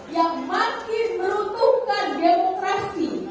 yang makin meruntuhkan demokrasi